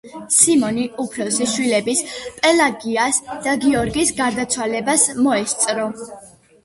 სიმონი უფროსი შვილების პელაგიას და გიორგის გარდაცვალებას მოესწრო.